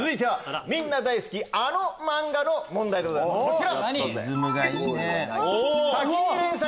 みんな大好きあの漫画の問題でございますこちら！